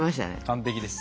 完璧です。